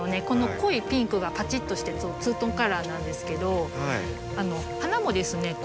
この濃いピンクがパチッとしてツートンカラーなんですけど花もですね